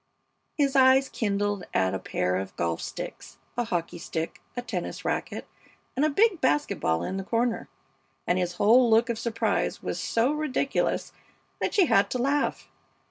His eyes kindled at a pair of golf sticks, a hockey stick, a tennis racket, and a big basket ball in the corner; and his whole look of surprise was so ridiculous that she had to laugh.